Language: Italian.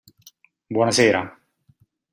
Buonasera!